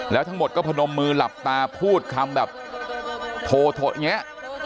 แล้วทั้งหมดก็พนมมือหลับตาพูดคำแบบโทโทะอย่างนี้